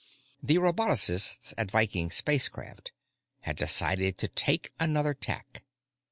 The robotocists at Viking Spacecraft had decided to take another tack.